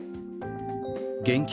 現金